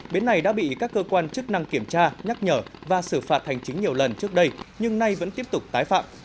bến này đã bị các cơ quan chức năng kiểm tra nhắc nhở và xử phạt hành chính nhiều lần trước đây nhưng nay vẫn tiếp tục tái phạm